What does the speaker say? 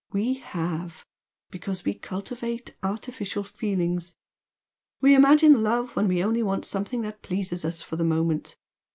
We have, because we cultivate artificial feelings we imagine we 'love,' when we only want something that pleases us for the moment.